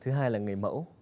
thứ hai là người mẫu